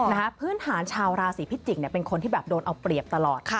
พื้นฐานชาวราศีพิจิกเนี่ยเป็นคนที่แบบโดนเอาเปรียบตลอดค่ะ